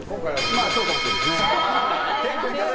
まあ、そうかもしれないですね。